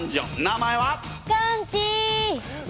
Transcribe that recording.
名前は？